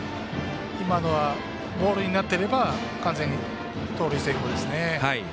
今のはボールになっていれば完全に盗塁成功ですね。